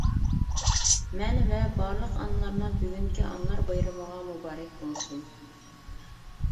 مەن ۋە بارلىق ئانىلارنىڭ بۈگۈنكى ئانىلار بايرىمىغا مۇبارەك بولسۇن!